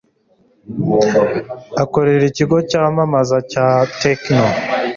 Akorera ikigo cyamamaza cya tecno.